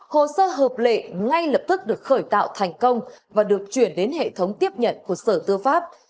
hồ sơ hợp lệ ngay lập tức được khởi tạo thành công và được chuyển đến hệ thống tiếp nhận của sở tư pháp